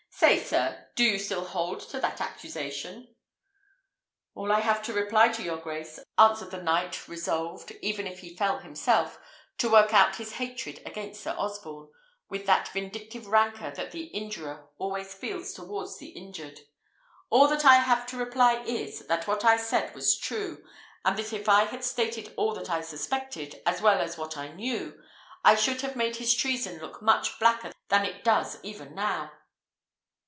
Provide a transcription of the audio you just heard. Say, sir, do you still hold to that accusation?" "All I have to reply to your grace," answered the knight, resolved, even if he fell himself, to work out his hatred against Sir Osborne, with that vindictive rancour that the injurer always feels towards the injured; "all that I have to reply is, that what I said was true; and that if I had stated all that I suspected, as well as what I knew, I should have made his treason look much blacker than it does even now."